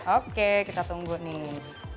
oke kita tunggu nih